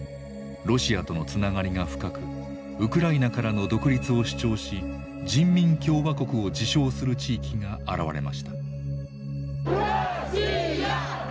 ロシアとのつながりが深くウクライナからの独立を主張し人民共和国を自称する地域が現れました。